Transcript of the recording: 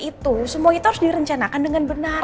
itu semua itu harus direncanakan dengan benar